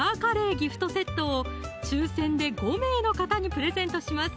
ギフトセットを抽選で５名の方にプレゼントします